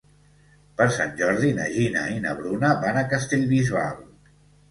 Per Sant Jordi na Gina i na Bruna van a Castellbisbal.